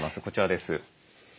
こちらです。